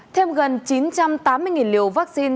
thêm gần chín trăm tám mươi liều vaccine